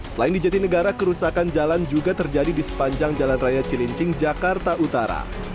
selain di jatinegara kerusakan jalan juga terjadi di sepanjang jalan raya cilincing jakarta utara